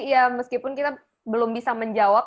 ya meskipun kita belum bisa menjawab